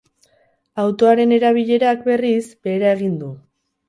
Autoaren erabilerak, berriz, behera egin du.